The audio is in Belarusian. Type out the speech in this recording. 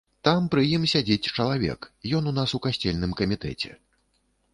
Там пры ім сядзіць чалавек, ён у нас у касцельным камітэце.